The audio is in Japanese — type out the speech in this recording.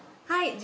はい。